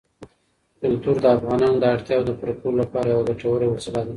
کلتور د افغانانو د اړتیاوو د پوره کولو لپاره یوه ګټوره وسیله ده.